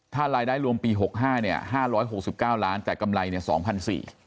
ถ้ารายได้รวมปี๖๕เนี่ย๕๖๙ล้านแต่กำไรเนี่ย๒๔๐๐บาท